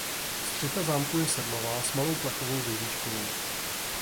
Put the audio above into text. Střecha zámku je sedlová s malou plechovou věžičkou.